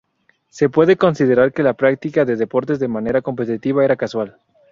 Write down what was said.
Se puede considerar que la práctica de deportes de manera competitiva era casual.